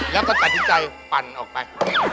แล้วเขาตัดใจปั่นออกไป